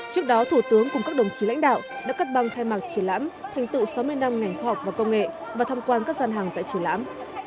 trước đó thủ tướng cùng các đồng chí lãnh đạo đã cắt băng khai mạc triển lãm thành tựu sáu mươi năm ngành khoa học và công nghệ và thăm quan các gian hàng tại triển lãm